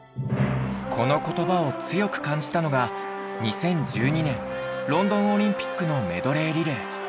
この言葉を強く感じたのが２０１２年ロンドンオリンピックのメドレーリレー。